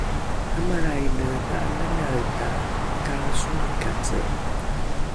’amalraingine dha’ananaeta kaasomikace